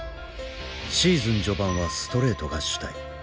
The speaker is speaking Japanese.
シーズン序盤はストレートが主体。